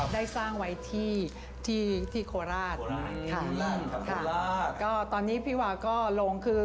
พี่วก็ได้อีกได้อีก๓เท่ากว่าที่ของ